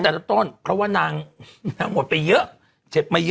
กันตั้งแต่ต้นเพราะว่านางนางหมดไปเยอะเจ็บมาเยอะ